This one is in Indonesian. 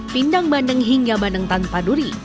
pindang bandeng hingga bandeng tanpa duri